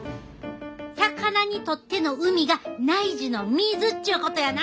魚にとっての海が内耳の水っちゅうことやな！